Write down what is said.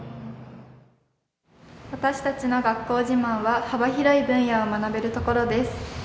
私たちの学校自慢は幅広い分野を学べるところです。